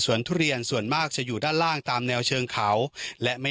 ส่วนทุเรียนส่วนมากจะอยู่ด้านล่างตามแนวเชิงเขาและไม่